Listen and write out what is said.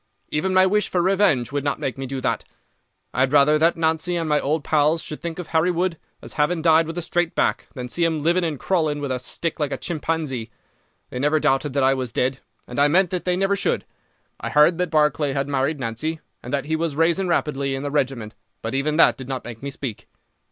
Even my wish for revenge would not make me do that. I had rather that Nancy and my old pals should think of Harry Wood as having died with a straight back, than see him living and crawling with a stick like a chimpanzee. They never doubted that I was dead, and I meant that they never should. I heard that Barclay had married Nancy, and that he was rising rapidly in the regiment, but even that did not make me speak.